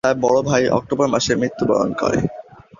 তার বড় ভাই অক্টোবর মাসে মৃত্যুবরণ করে।